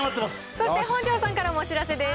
そして本上さんからもお知らせです。